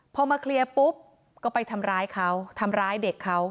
พอมาเคลียร์ปุ๊บก็ไปทำร้ายเขาทำร้ายเด็กเขา